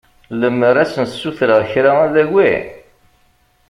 Lemmer ad sen-ssutreɣ kra ad agin?